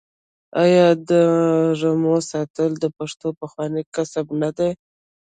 آیا د رمو ساتل د پښتنو پخوانی کسب نه دی؟